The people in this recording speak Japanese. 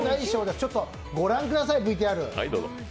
ちょっと御覧ください、ＶＴＲ。